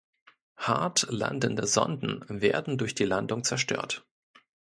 Hart landende Sonden werden durch die Landung zerstört.